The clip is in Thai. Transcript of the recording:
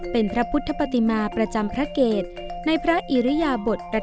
เป็นพระพุทธปฏิมาประจำพระเกตในพระอิริยาบทประทับไขว้พระชง